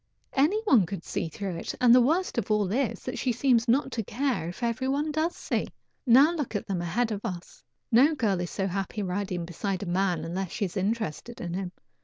Any one could see through it, and the worst of all is she seems not to care if every one does see. Now look at them ahead of us! No girl is so happy riding beside a man unless she is interested in him.